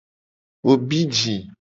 Wo bi ji.